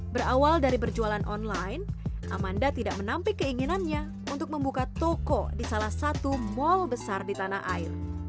berawal dari berjualan online amanda tidak menampik keinginannya untuk membuka toko di salah satu mal besar di tanah air